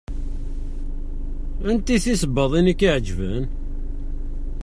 Aniti tisebbaḍin i ak-iɛeǧben?